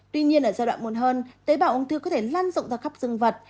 tuy nhiên ở giai đoạn muôn hơn tế bào úng thư có thể lan rộng ra khắp dân vật